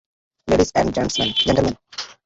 Ladies and gentle man.